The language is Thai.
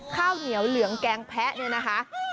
ข้าวเหนียวเหลืองแกงแพะเนี่ยนะคะ